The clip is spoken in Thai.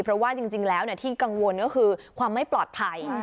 เพราะว่าจริงแล้วที่กังวลก็คือความไม่ปลอดภัย